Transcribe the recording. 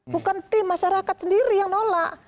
bukan tim masyarakat sendiri yang nolak